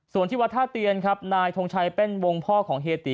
ส่วนที่วัดท่าเตียนครับนายทงชัยแป้นวงพ่อของเฮียตี